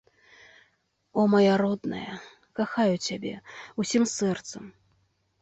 О, мая родная, кахаю цябе ўсім сэрцам!